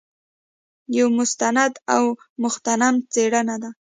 یو مستند او مغتنم څېړنه ده.